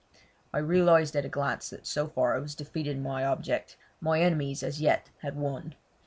I realised at a glance that so far I was defeated in my object, my enemies as yet had won.